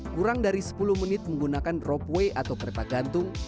kurang dari sepuluh menit menggunakan dropway atau kereta gantung